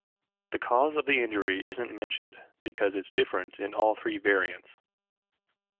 The cause of the injury isn't mentioned, because it's different in all three variants.